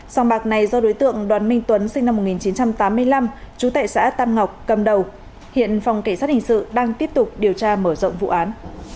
sòng bạc này do đối tượng đoàn minh tuấn sinh năm một nghìn chín trăm tám mươi năm trú tại xã tam ngọc cầm đầu hiện phòng cảnh sát hình sự đang tiếp tục điều tra mở rộng vụ án